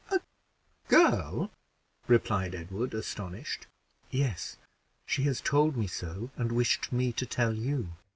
"A girl!" replied Edward, astonished. "Yes, she has told me so, and wished me to tell you."